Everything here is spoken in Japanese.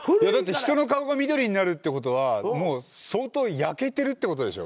人の顔が緑になるってことは相当焼けてるってことでしょ？